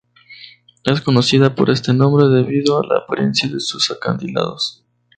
Es conocida por este nombre debido a la apariencia de sus acantilados.